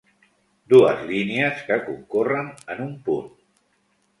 Dues línies que concorren en un punt.